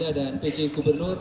dan pj gubernur